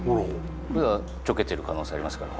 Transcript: ちょけてる可能性ありますから。